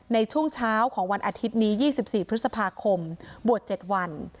ในช่วงเช้าของวันอาทิตย์นี้๒๔พฤษภาคมบวช๗วัน